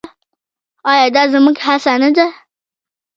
آیا دا زموږ هڅه نه ده؟